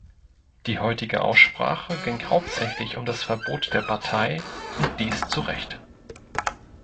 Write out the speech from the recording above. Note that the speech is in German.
Die heutige Aussprache ging hauptsächlich um das Verbot der Partei und dies zu Recht.